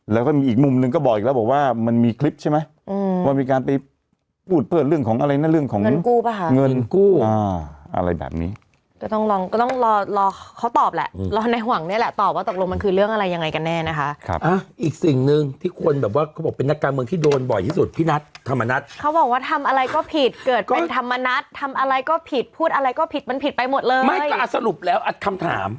แล้วก็มีอีกมุมนึงก็บอกอีกแล้วบอกว่ามันมีคลิปใช่ไหม